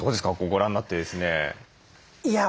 ご覧になってですね。